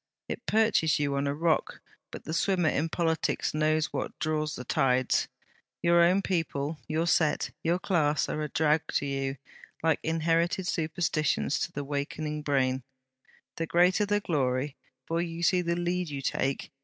It perches you on a rock; but the swimmer in politics knows what draws the tides. Your own people, your set, your class, are a drag to you, like inherited superstitions to the wakening brain. The greater the glory! For you see the lead you take?